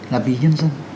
là vì nhân dân